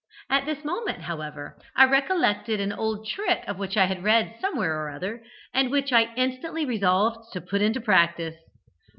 At this moment, however, I recollected an old trick of which I had read somewhere or other, and which I instantly resolved to put in practice.